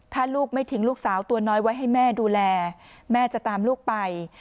ถ้าลูกไม่ทิ้งลูกสาวตัวน้อยไว้ให้แม่ดูแลแม่จะตามลูกไป